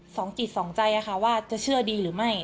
สองจิตสองใจค่ะว่าจะเชื่อดีหรือไม่